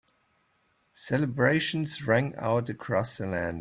Celebrations rang out across the land.